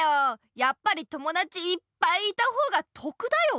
やっぱり友だちいっぱいいたほうが得だよ。